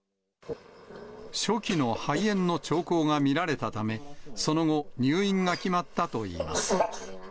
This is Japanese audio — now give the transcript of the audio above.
初期の肺炎の兆候が見られたため、その後、入院が決まったといいます。